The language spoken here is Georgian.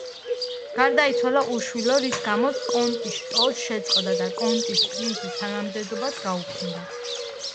გარდაიცვალა უშვილო, რის გამოც კონტის შტო შეწყდა და კონტის პრინცის თანამდებობაც გაუქმდა.